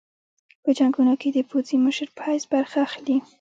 په جنګونو کې د پوځي مشر په حیث برخه اخلي.